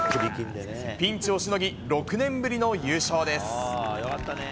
ピンチをしのぎ、６年ぶりの優勝です。